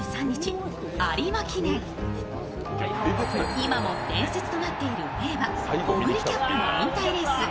今も伝説となっている名馬オグリキャップの引退レース。